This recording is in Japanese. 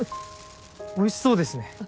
おいしそうですね。